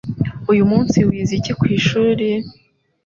Uyu munsi wize iki ku ishuri?